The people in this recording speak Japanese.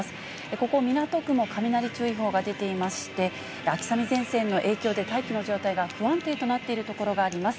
ここ、港区も雷注意報が出ていまして、秋雨前線の影響で大気の状態が不安定となっている所があります。